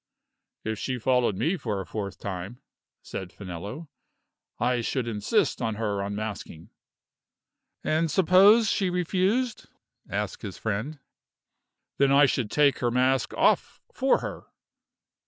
"If she followed me a fourth time," said Finello, "I should insist on her unmasking." "And suppose she refused?" asked his friend "Then I should take her mask off for her."